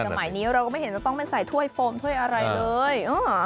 สมัยนี้เราก็ไม่เห็นจะต้องไปใส่ถ้วยโฟมถ้วยอะไรเลย